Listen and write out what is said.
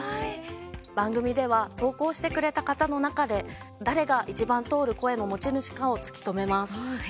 番組では投稿してくれた方の中で誰がいちばん通る声の持ち主かを突き止めます。